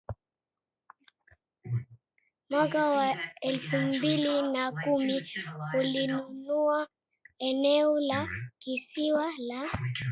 Mwaka wa elfu mbili na kumi alinunua eneo la kisiwa la